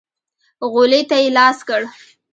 غولي ته يې لاس کړ.